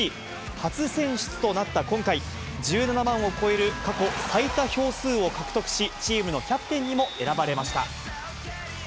初選出となった今回、１７万を超える過去最多票数を獲得し、チームのキャプテンにも選ばれました。